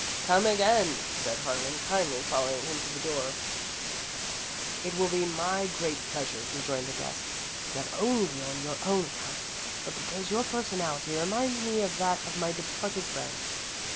"Come again," said Harlan, kindly, following him to the door. "It will be my great pleasure," rejoined the guest, "not only on your own account, but because your personality reminds me of that of my departed friend.